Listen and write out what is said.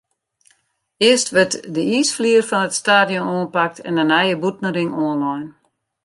Earst wurdt de iisflier fan it stadion oanpakt en de nije bûtenring oanlein.